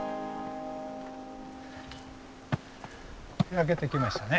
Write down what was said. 開けてきましたね。